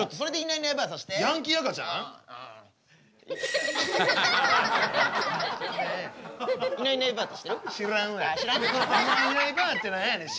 いないいないばあって何やねん。